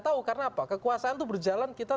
tahu karena apa kekuasaan itu berjalan kita